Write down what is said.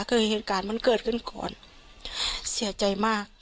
คือเหตุการณ์มันเกิดขึ้นก่อนเสียใจมาก